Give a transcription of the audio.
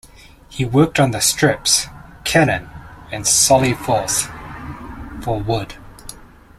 He worked on the strips "Cannon" and "Sally Forth" for Wood.